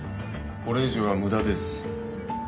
これ以上は無駄です。